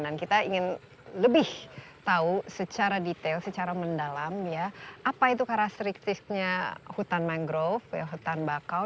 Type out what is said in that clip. dan kita ingin lebih tahu secara detail secara mendalam ya apa itu karakteristiknya hutan mangrove hutan bakau